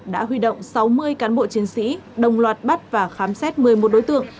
đã huy động sáu mươi cán bộ chiến sĩ đồng loạt bắt và khám xét một mươi một đối tượng